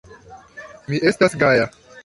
Mi estas gaja.